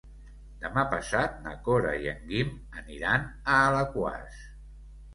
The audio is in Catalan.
Demà passat na Cora i en Guim aniran a Alaquàs.